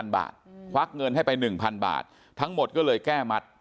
ควักเงินให้ไป๑๐๐บาททั้งหมดก็เลยแก้มัด